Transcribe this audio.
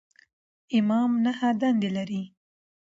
امام نهه دندې لري.